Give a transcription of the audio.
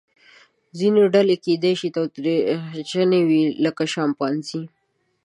ځینې ډلې کیدای شي تاوتریخجنې وي لکه شامپانزې.